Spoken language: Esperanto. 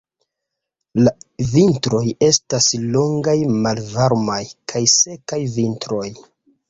La vintroj estas longaj, malvarmaj kaj sekaj vintroj.